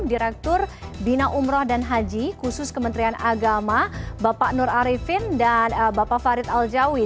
direktur bina umroh dan haji khusus kementerian agama bapak nur arifin dan bapak farid aljawi